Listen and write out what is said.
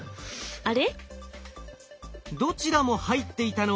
あれ？